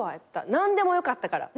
何でもよかったから。